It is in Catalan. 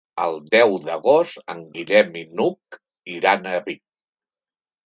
El deu d'agost en Guillem i n'Hug iran a Vic.